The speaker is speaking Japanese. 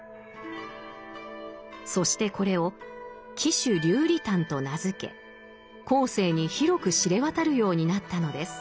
そしてこれを「貴種流離譚」と名付け後世に広く知れ渡るようになったのです。